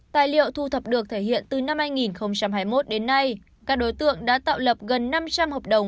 tài liệu thu thập được thể hiện từ năm hai nghìn hai mươi một đến nay các đối tượng đã tạo lập gần năm trăm linh hợp đồng